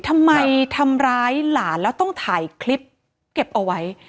ทำร้ายหลานแล้วต้องถ่ายคลิปเก็บเอาไว้